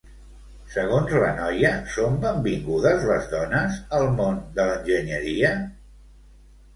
Segons la noia, són benvingudes les dones al món de l'enginyeria?